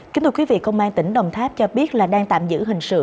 kính thưa quý vị công an tỉnh đồng tháp cho biết là đang tạm giữ hình sự